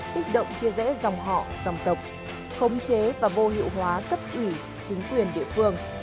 kích động chia rẽ dòng họ dòng tộc khống chế và vô hiệu hóa cấp ủy chính quyền địa phương